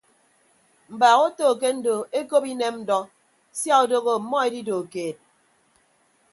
Mbaak oto ke ndo ekop inem ndọ sia odooho ọmmọ edido keed.